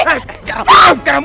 eh kabur kakak